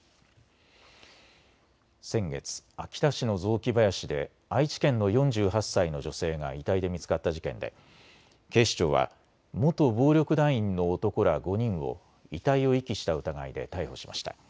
先月、秋田市の雑木林で愛知県の４８歳の女性が遺体で見つかった事件で警視庁は元暴力団員の男ら５人を遺体を遺棄した疑いで逮捕しました。